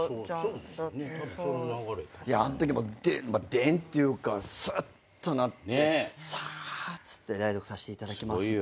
あんときもでんっていうかすっとなってさーっつって「代読させていただきます」って。